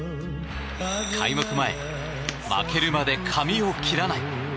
開幕前負けるまで髪を切らない。